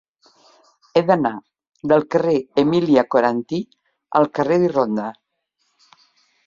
He d'anar del carrer d'Emília Coranty al carrer d'Irlanda.